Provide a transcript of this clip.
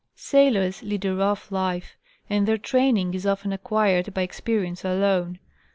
Sailors lead'a rough life, and their train ing is often acquired by experience alone.